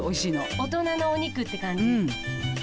大人のお肉って感じ。